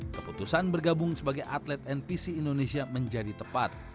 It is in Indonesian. keputusan bergabung sebagai atlet npc indonesia menjadi tepat